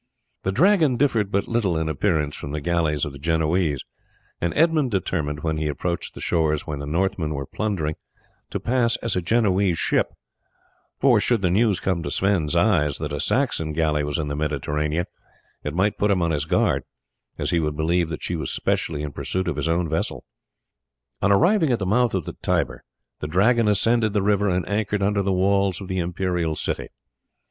The Dragon differed but little in appearance from the galleys of the Genoese, and Edmund determined when he approached the shores where the Northmen were plundering to pass as a Genoese ship, for should the news come to Sweyn's ears that a Saxon galley was in the Mediterranean it might put him on his guard, as he would believe that she was specially in pursuit of his own vessel. On arriving at the mouth of the Tiber the Dragon ascended the river and anchored under the walls of the imperial city.